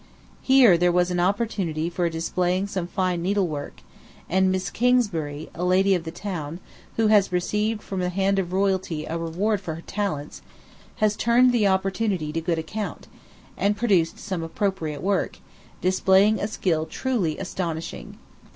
Here there was an opportunity for displaying some fine needlework; and Miss Kingsbury, a lady of the town, who has received from the hand of royalty a reward for her talents, has turned the opportunity to good account, and produced some appropriate work, displaying a skill truly astonishing.